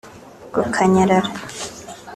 gukanyarara